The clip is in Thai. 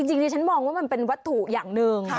จริงดิฉันมองว่ามันเป็นวัตถุอย่างหนึ่ง